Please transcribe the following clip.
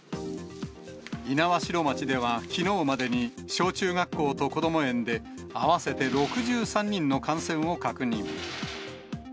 猪苗代町ではきのうまでに小中学校とこども園で、合わせて６３人の感染を確認。